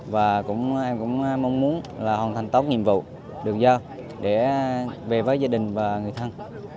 và em cũng mong muốn là hoàn thành tốt nhiệm vụ được giao để về với gia đình và người thân